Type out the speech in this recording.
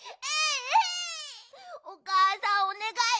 おかあさんおねがい。